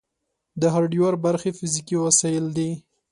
د هارډویر برخې فزیکي وسایل دي.